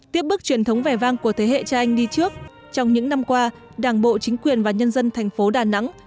tiếp bước truyền thống vẻ vang của thế hệ cha anh đi trước trong những năm qua đảng bộ chính quyền và nhân dân thành phố đà nẵng